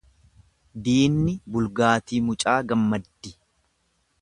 Diinni bulgaatii mucaa gammaddi.